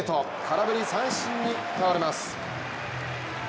空振り三振に倒れます。